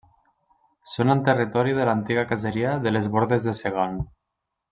Són en territori de l'antiga caseria de les Bordes de Segan.